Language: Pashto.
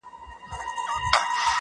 o سيدې يې نورو دې څيښلي او اوبه پاتې دي.